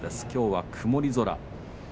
きょうは曇り空。